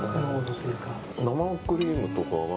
生クリームとかは？